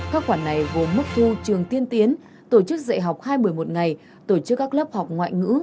các khoản này gồm mức thu trường tiên tiến tổ chức dạy học hai mươi một ngày tổ chức các lớp học ngoại ngữ